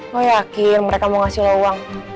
lo yakin mereka mau ngasih lo uang